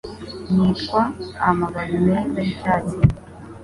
yitwa "Amababi meza y'icyatsi"